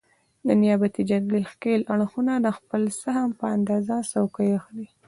د نیابتي جګړې ښکېل اړخونه د خپل سهم په اندازه څوکۍ اخلي.